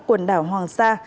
quần đảo hoàng sa